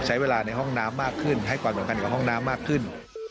ใช้เวลาในห้องน้ำมากขึ้นให้ความสำคัญกับห้องน้ำมากขึ้น